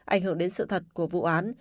ảnh hưởng đến sự thật của vụ án